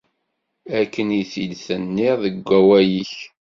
Akken i t-id-tenniḍ deg wawal-ik.